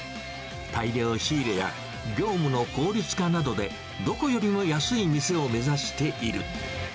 大量仕入れや業務の効率化などで、どこよりも安い店を目指している。